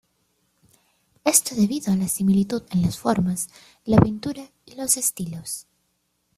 Esto debido a la similitud en las formas, la pintura y los estilos.